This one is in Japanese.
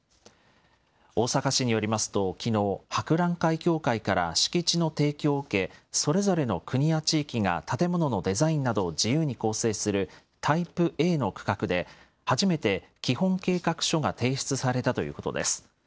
大阪市によりますと、きのう、博覧会協会から敷地の提供を受け、それぞれの国や地域が建物のデザインなどを自由に構成するタイプＡの区画で、初めて基本計画書が提出されたということです。